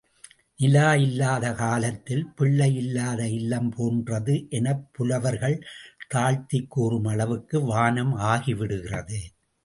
நிலா இல்லாத காலத்தில், பிள்ளையில்லாத இல்லம் போன்றது எனப் புலவர்கள் தாழ்த்திக் கூறும் அளவுக்கு வானம் ஆகிவிடுகிறது.